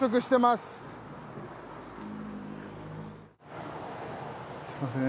すみません。